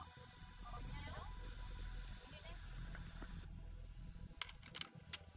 kok kopinya ada dong